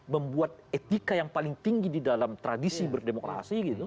membuat etika yang paling tinggi di dalam tradisi berdemokrasi gitu